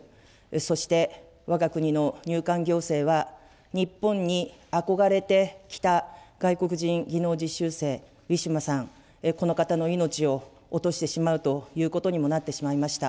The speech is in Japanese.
そしてわが国の入管行政は、日本に憧れてきた外国人技能実習生、ウィシュマさん、この方の命を落としてしまうということにもなってしまいました。